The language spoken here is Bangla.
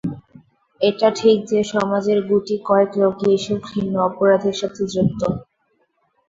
এটা ঠিক যে, সমাজের গুটি কয়েক লোকই এসব ঘৃণ্য অপরাধের সঙ্গে যুক্ত।